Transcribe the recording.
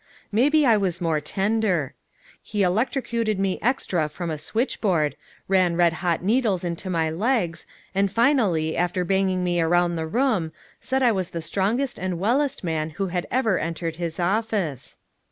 Maybe I was more tender! He electrocuted me extra from a switchboard, ran red hot needles into my legs, and finally, after banging me around the room, said I was the strongest and wellest man who had ever entered his office.